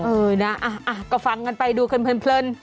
เออนะอะก็ฟังกันไปดูเพลิน